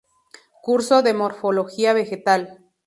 Curso de morfología vegetal.